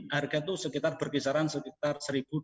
harga itu sekitar berkisaran sekitar